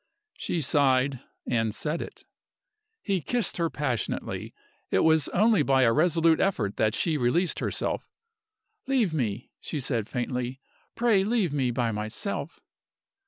She sighed, and said it. He kissed her passionately. It was only by a resolute effort that she released herself. "Leave me!" she said, faintly. "Pray leave me by myself!"